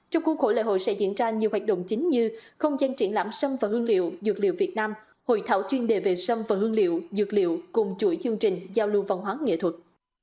trong khuôn khổ lễ hội sẽ diễn ra nhiều hoạt động chính như không gian triển lãm sâm và hương liệu dược liệu việt nam hội thảo chuyên đề về sâm và hương liệu dược liệu cùng chuỗi chương trình giao lưu văn hóa nghệ thuật